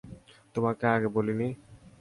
তোমাকে আগে বলিনি?